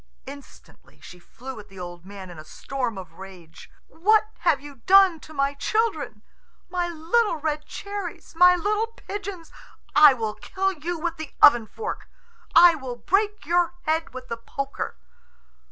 Instantly she flew at the old man in a storm of rage. "What have you done to my children, my little red cherries, my little pigeons? I will kill you with the oven fork! I will break your head with the poker!"